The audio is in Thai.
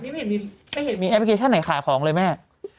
ไม่เห็นมีแอปพลิเคชันไหนขายของเลยแม่